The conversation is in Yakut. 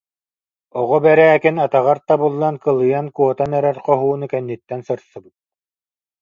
Оҕо Бэрээкин атаҕар табыллан кылыйан куотан эрэр хоһууну кэнниттэн сырсыбыт